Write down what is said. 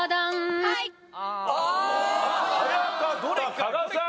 加賀さん。